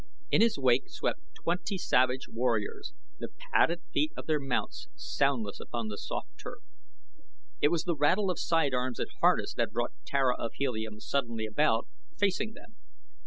In his wake swept his twenty savage warriors, the padded feet of their mounts soundless upon the soft turf. It was the rattle of sidearms and harness that brought Tara of Helium suddenly about, facing them.